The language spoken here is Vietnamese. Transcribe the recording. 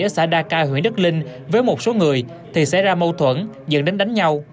ở xã đa ca huyện đức linh với một số người thì xảy ra mâu thuẫn dẫn đến đánh nhau